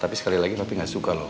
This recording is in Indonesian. tapi sekali lagi tapi gak suka loh